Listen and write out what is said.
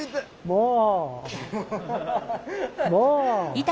もう！